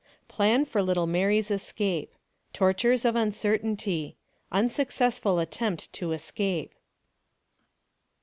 PLAN FOB LITTLE MARY J S ESCAPE TORTURES OP UNCERTAINTY UNSUCCESSFUL ATTEMPT TO ESCAPE.